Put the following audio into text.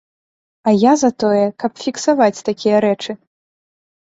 А я за тое, каб фіксаваць такія рэчы.